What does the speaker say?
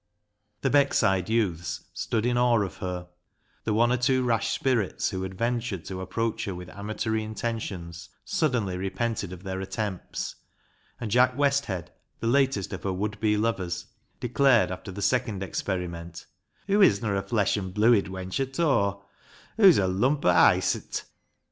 The Beckside youths stood in awe of her ; the one or two rash spirits wlio had ventured to LEAH'S LOVER 41 approach her with amatory intentions suddenly repented of their attempts ; and Jack Westhead, the latest of her would be lovers, declared, after the second experiment, " Hoo isna a flesh an' blooid wench at aw, hoo's a lump o' icet."